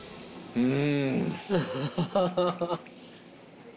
うん！